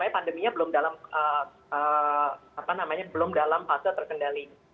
pandeminya belum dalam fase terkendali